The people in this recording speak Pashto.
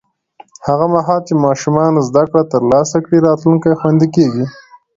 هغه مهال چې ماشومان زده کړه ترلاسه کړي، راتلونکی خوندي کېږي.